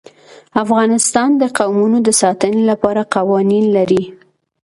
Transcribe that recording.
افغانستان د قومونه د ساتنې لپاره قوانین لري.